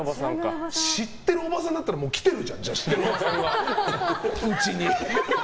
知ってるおばさんだったら来てるじゃん、うちに。